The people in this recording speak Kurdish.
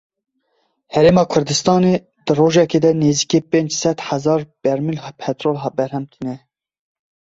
Herêma Kurdistanê di rojekê de nêzîkî pênc sed hezar bermîl petrol berhem tîne.